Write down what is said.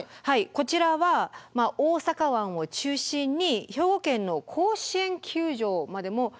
こちらは大阪湾を中心に兵庫県の甲子園球場までも広がっていると。